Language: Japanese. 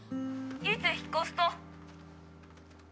☎いつ引っ越すと？